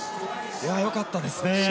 良かったですね。